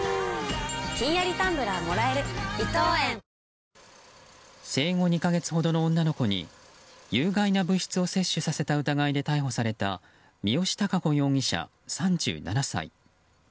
続く生後２か月ほどの女の子に有害な物質を摂取した疑いで逮捕された三好貴子容疑者、３７歳。